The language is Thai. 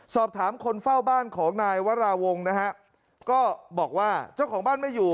สอบถามคนเฝ้าบ้านของนายวราวงศ์นะฮะก็บอกว่าเจ้าของบ้านไม่อยู่